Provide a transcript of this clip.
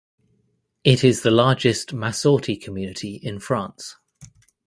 It is the largest Masorti community in France.